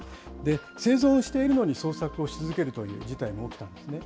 生存しているのに捜索をし続けるという事態も起きたんですね。